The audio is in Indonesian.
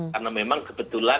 karena memang kebetulan